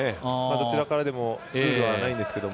どちらからでもルールはないんですけど。